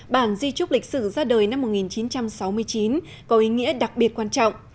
bản di trúc lịch sử ra đời năm một nghìn chín trăm sáu mươi chín có ý nghĩa đặc biệt quan trọng